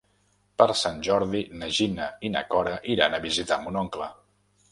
Per Sant Jordi na Gina i na Cora iran a visitar mon oncle.